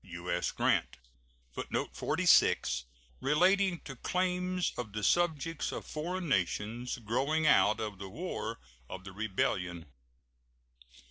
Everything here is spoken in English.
U.S. GRANT. [Footnote 46: Relating to claims of the subjects of foreign nations growing out of the War of the Rebellion.